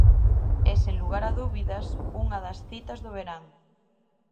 É, sen lugar a dúbidas, unha das citas do verán.